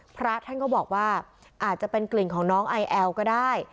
พระท่านก็บอกว่าอาจจะเป็นกลิ่นของน้องไอแอลก็ได้